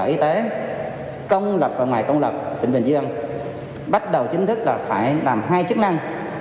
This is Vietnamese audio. y tế công lập và ngoài công lập tỉnh bình dương bắt đầu chính thức là phải làm hai chức năng